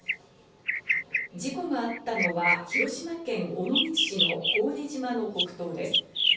事故があったのは広島県尾道市の高根島の北東です。